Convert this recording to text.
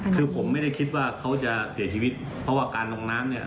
คือผมไม่ได้คิดว่าเขาจะเสียชีวิตเพราะว่าการลงน้ำเนี่ย